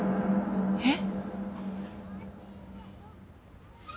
えっ？